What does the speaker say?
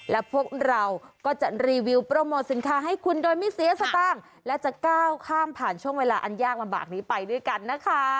และพวกเราก็จะรีวิวโปรโมทสินค้าให้คุณโดยไม่เสียสตางค์และจะก้าวข้ามผ่านช่วงเวลาอันยากลำบากนี้ไปด้วยกันนะคะ